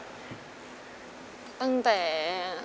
ตั้งแต่